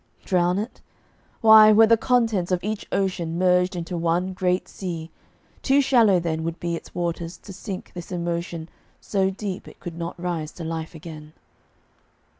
Drown it? Why, were the contents of each ocean Merged into one great sea, too shallow then Would be its waters to sink this emotion So deep it could not rise to life again.